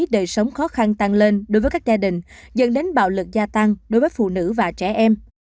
đời sống khó khăn tăng lên đối với các gia đình dẫn đến bạo lực gia tăng đối với phụ nữ và trẻ em